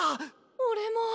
俺も。